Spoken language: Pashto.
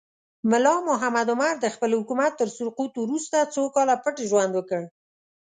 ملا محمد عمر د خپل حکومت تر سقوط وروسته څو کاله پټ ژوند وکړ.